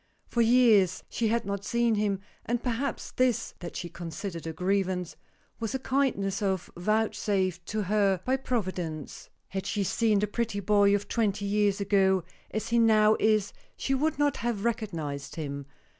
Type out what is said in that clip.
For years she had not seen him, and perhaps this (that she considered a grievance) was a kindness vouchsafed to her by Providence. Had she seen the pretty boy of twenty years ago as he now is she would not have recognized him.